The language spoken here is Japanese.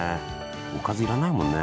おかず要らないもんね